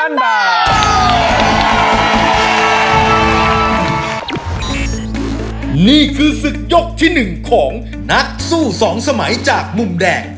นี่คือศึกยกที่๑ของนักสู้สองสมัยจากมุมแดง